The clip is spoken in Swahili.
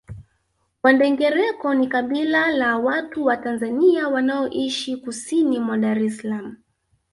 Wandengereko ni kabila la watu wa Tanzania wanaoishi kusini mwa Dar es Salaam